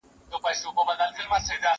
زه امادګي نه نيسم،